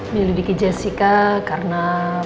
menyelidiki jessica karena